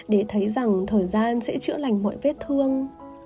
để thấy rằng thời gian sẽ chữa lành mọi vết thương